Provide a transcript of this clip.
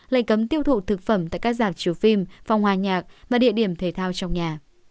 lệnh cấm tiêu thụ thực phẩm tại các giảng chiều phim phòng hòa nhạc và địa điểm thể thao trong nhà